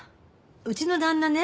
うちの旦那ね